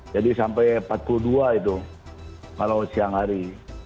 jadi sampai empat puluh dua itu malam siang hari